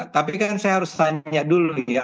tapi kan saya harus tanya dulu ya